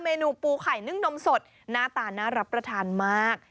นูปูไข่นึ่งนมสดหน้าตาน่ารับประทานมาก